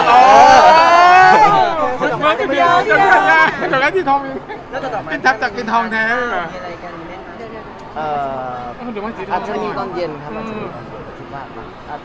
เดี๋ยวฮันน้ำไต้สีเกินมาไหน